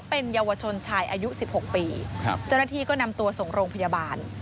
เป็นเยาวชนชายอายุสิบหกปีครับเจ้าหน้าที่ก็นำตัวส่งโรงพยาบาล